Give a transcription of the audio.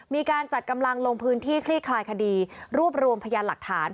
มีการจัดกำลังลงพื้นที่คลี่คลายคดีรวบรวมพยานหลักฐาน